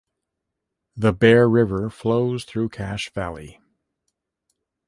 The Bear River flows through Cache Valley.